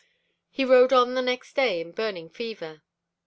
He rode on the next day in a burning fever.